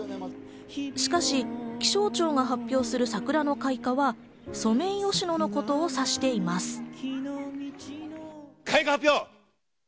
しかし、気象庁が発表する桜の開花は、ソメイヨシノのことを指しています。